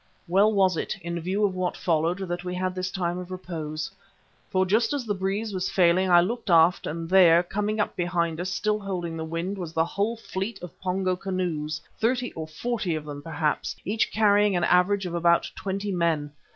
Well was it, in view of what followed, that we had this time of repose. For just as the breeze was failing I looked aft and there, coming up behind us, still holding the wind, was the whole fleet of Pongo canoes, thirty or forty of them perhaps, each carrying an average of about twenty men.